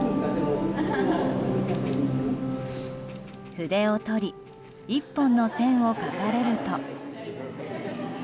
筆を執り１本の線を描かれると。